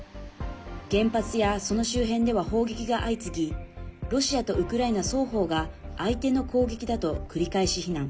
原発やその周辺では砲撃が相次ぎロシアとウクライナ双方が相手の攻撃だと繰り返し非難。